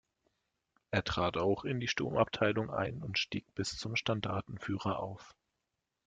Er trat auch in die Sturmabteilung ein und stieg bis zum Standartenführer auf.